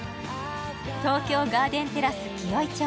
東京ガーデンテラス紀尾井町。